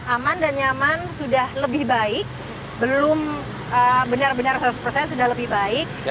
aman dan nyaman sudah lebih baik belum benar benar seratus sudah lebih baik